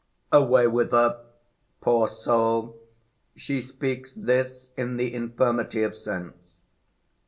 _ Away with her! Poor soul, She speaks this in th' infirmity of sense.